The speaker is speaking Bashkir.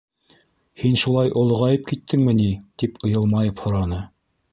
— Һин шулай олоғайып киттеңме ни? — тип йылмайып һораны.